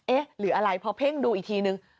เอ๊ะหรืออะไรเพราะเพ่งดูอีกทีนึง